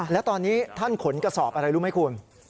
แล้วตอนนี้ท่านขนกระสอบอะไรรู้ไหมคุณ